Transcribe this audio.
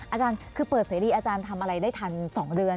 อาจารย์คือเปิดเสรีอาจารย์ทำอะไรได้ทัน๒เดือน